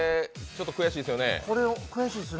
ちょっと悔しいですよね。